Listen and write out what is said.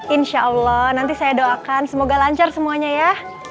insya allah nanti saya doakan semoga lancar semuanya ya